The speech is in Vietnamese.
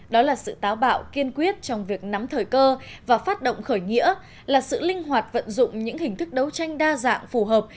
đó là sự táo bạo kiên quyết trong việc nắm thời cơ và phát động khởi nghĩa là sự linh hoạt vận dụng những hình thức đấu tranh đa dạng phù hợp